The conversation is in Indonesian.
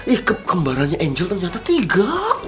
ih kembarannya angel ternyata tiga